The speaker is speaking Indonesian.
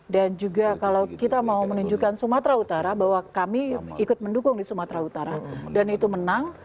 dan juga kalau kita mau menunjukkan sumatera utara bahwa kami ikut mendukung di sumatera utara dan itu menang